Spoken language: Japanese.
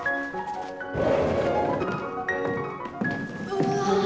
うわ。